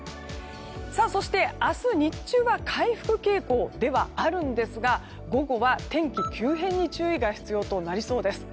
そして、明日日中は回復傾向ではあるんですが午後は天気急変に注意が必要となりそうです。